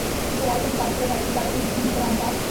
ذرائع کے مطابق وزارت تجارت نے گرتی ہوئی برآمدات